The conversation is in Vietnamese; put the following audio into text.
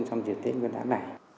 trong tết nguyên đán này